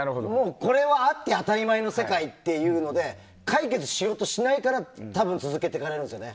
これはあって当たり前の世界だっていうので解決しようとしないから多分続けていけれるんですよね。